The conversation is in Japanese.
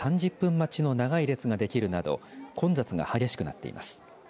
待ちの長い列ができるなど混雑が激しくなっています。